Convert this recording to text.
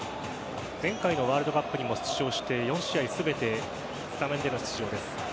前回のワールドカップにも出場して４試合全てスタメンでの出場です。